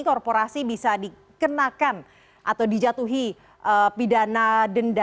korporasi bisa dikenakan atau dijatuhi pidana denda